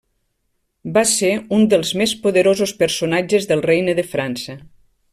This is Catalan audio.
Va ser un dels més poderosos personatges del regne de França.